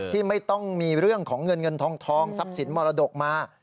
ที่ไม่ต้องมีเรื่องของเงินเงินทองทรัพย์สินมรดกมา